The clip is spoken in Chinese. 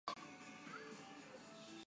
其治所湘县即大致为今长沙市辖区。